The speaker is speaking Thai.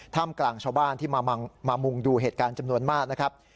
กลางชาวบ้านที่มามุงดูเหตุการณ์จำนวนมากนะครับ